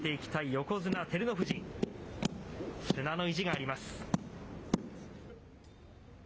横綱の意地があります。